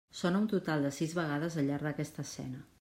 Sona un total de sis vegades al llarg d'aquesta escena.